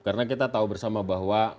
karena kita tahu bersama banyak orang